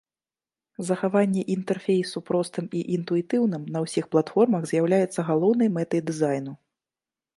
Захаванне інтэрфейсу простым і інтуітыўным на ўсіх платформах з'яўляецца галоўнай мэтай дызайну.